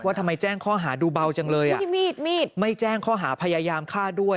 ว่าทำไมแจ้งข้อหาดูเบาจังเลยไม่แจ้งข้อหาพยายามฆ่าด้วย